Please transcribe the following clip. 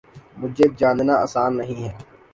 مجھے جاننا آسان نہیں ہے